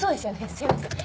すいません。